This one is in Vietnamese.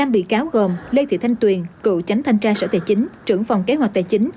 năm bị cáo gồm lê thị thanh tuyền cựu tránh thanh tra sở tài chính trưởng phòng kế hoạch tài chính